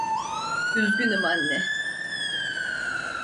Üzgünüm anne.